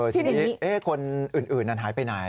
ทีนี้คนอื่นหายไปไหน